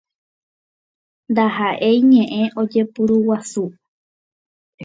Ndaha'éi ñe'ẽ ojeporuguasúva.